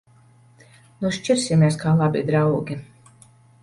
Nu! Šķirsimies kā labi draugi.